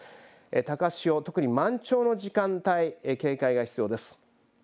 高潮、特に満潮の時間帯、警戒が必要です。